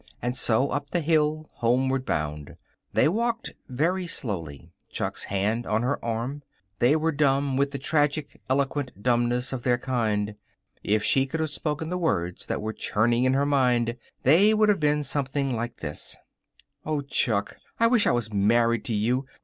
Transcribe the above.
And so up the hill, homeward bound. They walked very slowly, Chuck's hand on her arm. They were dumb with the tragic, eloquent dumbness of their kind. If she could have spoken the words that were churning in her mind, they would have been something like this: "Oh, Chuck, I wish I was married to you.